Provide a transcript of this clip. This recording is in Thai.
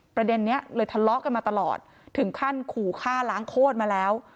ประเด็นนี้เลยทะเลาะกันมาตลอดถึงขั้นขู่ฆ่าล้างโคตรมาแล้ว